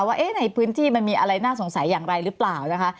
ว่าในพื้นที่มันมีอะไรน่าสงสัยอย่างไรหรือเปล่านะคะ